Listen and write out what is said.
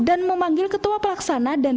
dan memanggil ketua pelaksana dan